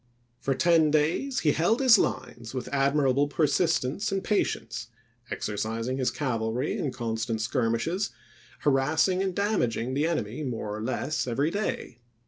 For ten days he held his lines with admirable persistence and patience, exercising his cavalry in constant skirmishes, harassing and damaging the enemy more or less every day.